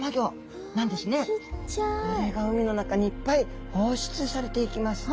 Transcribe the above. これが海の中にいっぱい放出されていきます。